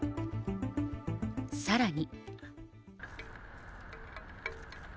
さらに。